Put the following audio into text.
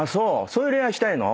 そういう恋愛したいの？」